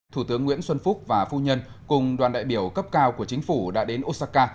thủ tướng nguyễn xuân phúc và phu nhân cùng đoàn đại biểu cấp cao của chính phủ đã đến osaka